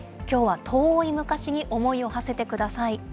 きょうは遠い昔に思いをはせてください。